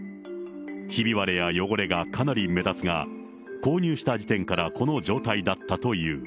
ひび割れや汚れがかなり目立つが、購入した時点からこの状態だったという。